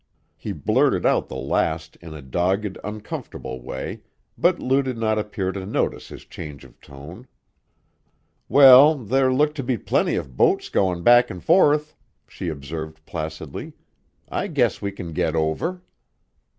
He blurted the last out in a dogged, uncomfortable way, but Lou did not appear to notice his change of tone. "Well, there look to be plenty of boats goin' back an' forth," she observed placidly. "I guess we can get over."